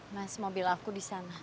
mas mobil aku disana